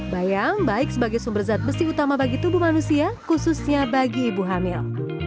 bayang baik sebagai sumber zat besi utama bagi tubuh manusia khususnya bagi ibu hamil